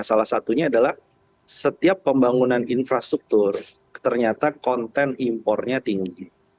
salah satunya adalah setiap pembangunan infrastruktur ternyata konten impornya tinggi